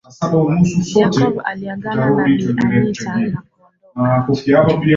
Jacob aliagana na Bi Anita na kuondoka